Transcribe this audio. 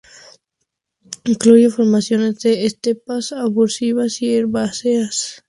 Incluye formaciones de estepas arbustivas y herbáceas.